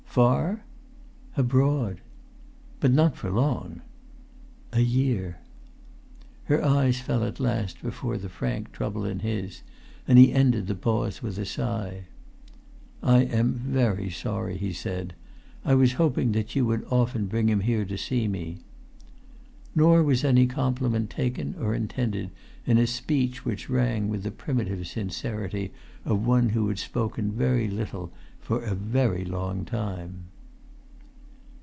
"Far?" "Abroad." "But not for long!" "A year." Her eyes fell at last before the frank trouble in his; and he ended the pause with a sigh. "I am very sorry," he said. "I was hoping that you would often bring him here to see me." Nor was any compliment taken or intended in a speech which rang with the primitive sincerity of one who had spoken very little for a very long time.